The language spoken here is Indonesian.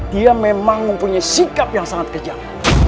dia memang mempunyai sikap yang sangat kejam